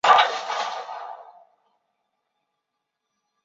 严仁美出生于上海。